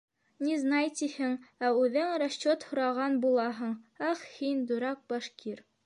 — Незнай, тиһең, ә үҙең расчет һораған булаһың, ах һин, дурак башкир.